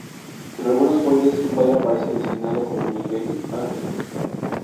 En algunas fuentes su padre aparece designado como Miguel Angelo.